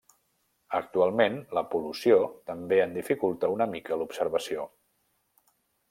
Actualment, la pol·lució també en dificulta una mica l'observació.